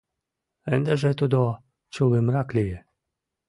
Ындыже тудо чулымрак лие.